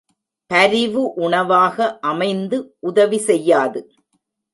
பரிவு உணவாக அமைந்து உதவி செய்யாது.